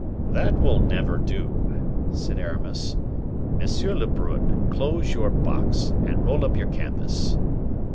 "That will never do," said Aramis: "M. Lebrun, close your box, and roll up your canvas."